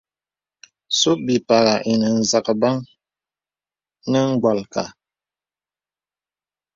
Sùp bìpàghà ìnə zəkbən nə mgbōlka.